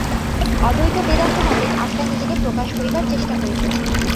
অদ্বৈত বেদান্তমতে আত্মা নিজেকে প্রকাশ করিবার চেষ্টা করিতেছেন।